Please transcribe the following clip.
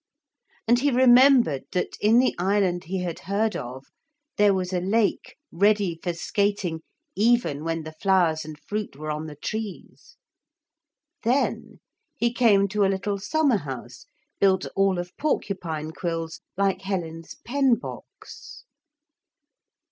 And he remembered that, in the island he had heard of, there was a lake ready for skating even when the flowers and fruit were on the trees. Then he came to a little summer house built all of porcupine quills like Helen's pen box.